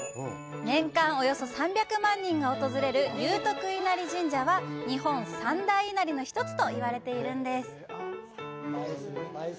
年間およそ３００万人が訪れる祐徳稲荷神社は日本三大稲荷の一つといわれているんです。